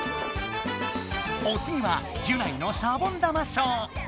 おつぎはギュナイのシャボン玉ショー。